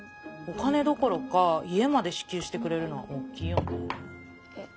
お金どころか家まで支給してくれるのは大っきいよね